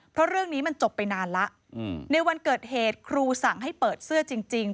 เพราะเรื่องนี้มันจบไปนานแล้วในวันเกิดเหตุครูสั่งให้เปิดเสื้อจริง